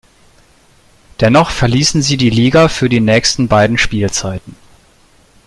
Dennoch verließen sie die Liga für die nächsten beiden Spielzeiten.